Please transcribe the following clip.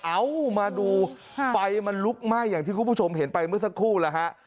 เอ้ามาดูไฟมันลุกไหม้อย่างที่คุณผู้ชมเห็นไปเมื่อสักครู่แล้วฮะ